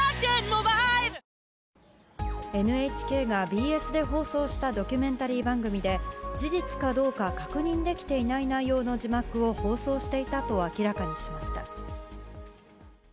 ＮＨＫがＢＳで放送したドキュメンタリー番組で事実かどうか確認できていない内容の字幕を放送していたと明らかにしました。